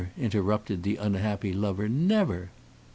interrupted the unhappy lover "never!"